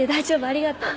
ありがとう。